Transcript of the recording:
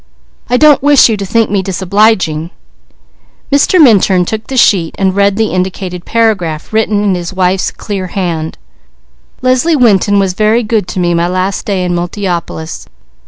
I don't wish you to think me disobliging." Mr. Minturn took the sheet and read the indicated paragraph written in his wife's clear hand: _Leslie Winton was very good to me my last day in Multiopolis.